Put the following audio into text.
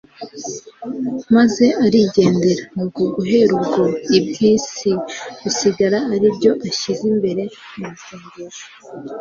maze arigendera; nuko guhera ubwo iby'isi bisigara ari byo ashyize imbere mu masengesho.